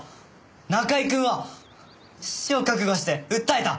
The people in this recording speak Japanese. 中居くんは死を覚悟して訴えた！